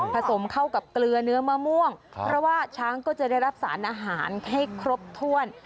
สมเข้ากับเกลือเนื้อมะม่วงเพราะว่าช้างก็จะได้รับสารอาหารให้ครบถ้วน